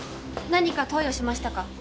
何か投与しましたか？